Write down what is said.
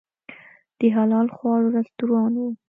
د حلال خواړو رستورانت و.